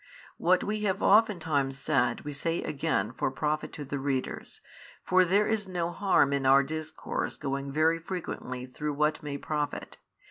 What we have oftentimes said we say again for profit to the readers: for there is no harm in our discourse going very frequently through what may profit.